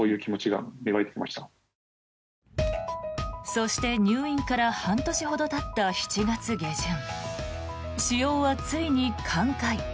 そして、入院から半年ほどたった７月下旬腫瘍はついに寛解。